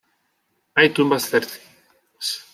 Hay tumbas excavadas en las rocas cercanas.